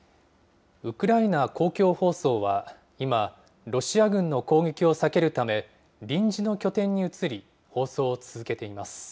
ウクライナ公共放送は今、ロシア軍の攻撃を避けるため、臨時の拠点に移り、放送を続けています。